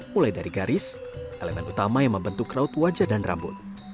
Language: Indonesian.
mulai dari garis elemen utama yang membentukkan topeng bali